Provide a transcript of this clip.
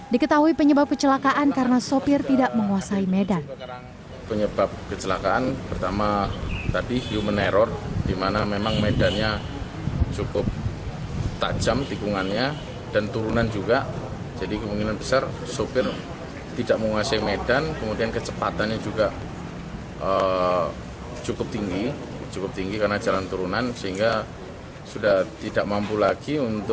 diketahui penyebab kecelakaan karena sopir tidak menguasai medan